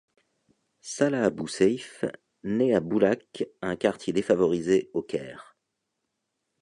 Salah Abou Seif nait à Boulaq un quartier défavorisé au Caire.